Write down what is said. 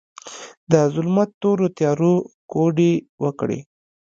د ظلمت تورو تیارو، کوډې وکړې